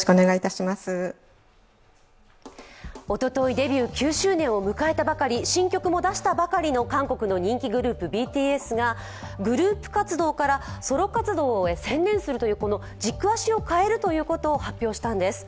おとといデビュー９周年を迎えたばかり新曲も出したばかりの韓国の人気グループ、ＢＴＳがグループ活動からソロ活動へ専念するという、軸足を変えるということを発表したんです。